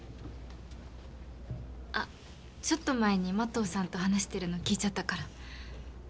あっちょっと前に麻藤さんと話してるの聞いちゃったから。